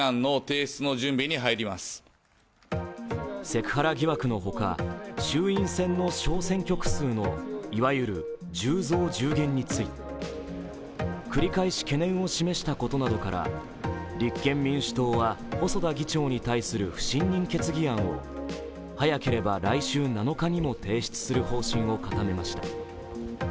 セクハラ疑惑の他、衆院選の小選挙区数のいわゆる１０増１０減について繰り返し懸念を示したことなどから立憲民主党は、細田議長に対する不信任決議案を早ければ来週７日にも提出する方針を固めました。